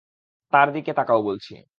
তার দিকে তাকাও বলছি!